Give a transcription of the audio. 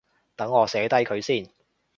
等我寫低佢先